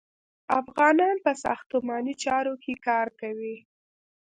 افغانان په ساختماني چارو کې کار کوي.